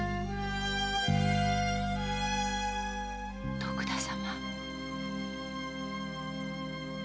徳田様。